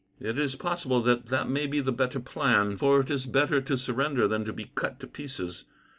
"It is possible that that may be the better plan, for it is better to surrender than to be cut to pieces.